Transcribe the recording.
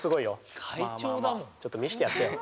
ちょっと見してやってよ！